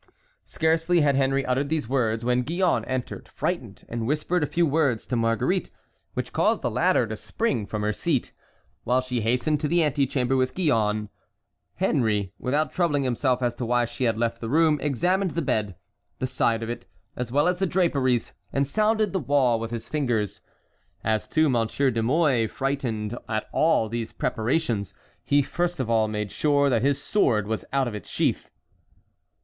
Scarcely had Henry uttered these words when Gillonne entered, frightened, and whispered a few words to Marguerite, which caused the latter to spring from her seat. While she hastened to the antechamber with Gillonne, Henry, without troubling himself as to why she had left the room, examined the bed, the side of it, as well as the draperies, and sounded the wall with his fingers. As to Monsieur de Mouy, frightened at all these preparations, he first of all made sure that his sword was out of its sheath.